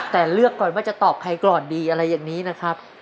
แต่เลือกก่อนว่าจะตอบใครก่อนดีอะไรอย่างนี้นะครับ